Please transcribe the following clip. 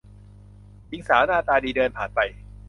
หญิงสาวหน้าตาดีเดินผ่านไป